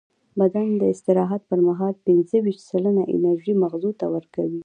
بدن د استراحت پر مهال پینځهویشت سلنه انرژي مغزو ته ورکوي.